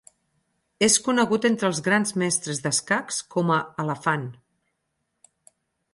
És conegut entre els Grans Mestres d'Escacs com a 'Elefant'.